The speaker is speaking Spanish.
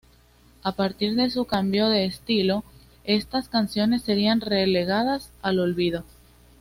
A partir de su cambio de estilo, estas canciones serían relegadas al olvido.